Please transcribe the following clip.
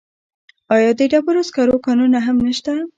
آیا د ډبرو سکرو کانونه هم نشته؟